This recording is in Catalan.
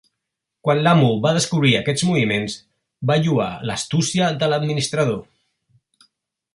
Quan l'amo va descobrir aquests moviments, va lloar l'astúcia de l'administrador.